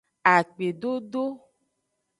Akpedodo.